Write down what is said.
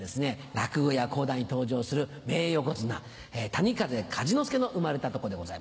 落語や講談に登場する名横綱谷風梶之助の生まれた所でございます。